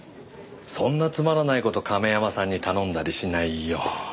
そんなつまらない事亀山さんに頼んだりしないよ。